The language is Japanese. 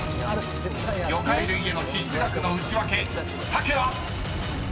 ［魚介類への支出額のウチワケサケは⁉］